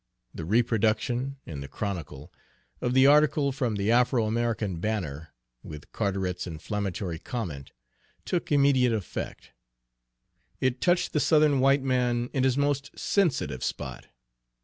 The reproduction, in the Chronicle, of the article from the Afro American Banner, with Carteret's inflammatory comment, took immediate effect. It touched the Southern white man in his most sensitive spot.